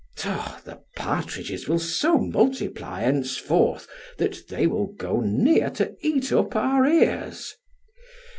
The partridges will so multiply henceforth, that they will go near to eat up our ears.